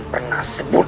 di bala suku silam west